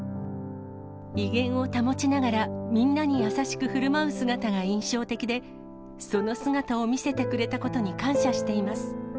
威厳を保ちながら、みんなに優しくふるまう姿が印象的で、その姿を見せてくれたことに感謝しています。